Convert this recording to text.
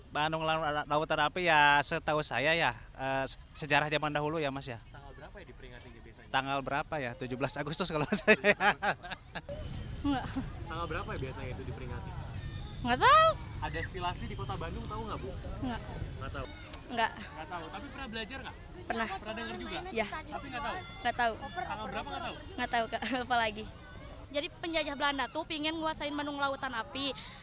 jadi penjajah belanda tuh pengen nguasain bandung lautan api